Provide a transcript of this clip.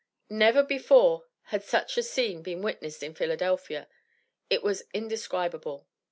Never before had such a scene been witnessed in Philadelphia. It was indescribable.